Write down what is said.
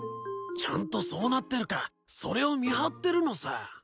ちゃんとそうなってるかそれを見張ってるのさ。